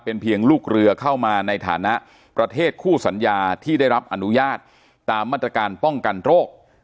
เป็นเพียงลูกเรือเข้ามาในฐานะประเทศคู่สัญญาที่ได้รับอนุญาตตามมาตรการป้องกันโรค